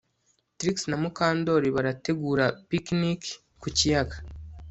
Trix na Mukandoli barategura picnic ku kiyaga